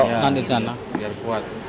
iya biar kuat